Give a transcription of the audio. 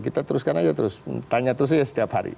kita teruskan aja terus tanya terus aja setiap hari